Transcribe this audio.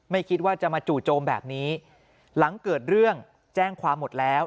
ไม่คิดว่าจะมาจู่โจมแบบนี้หลังเกิดเรื่องแจ้งความหมดแล้ว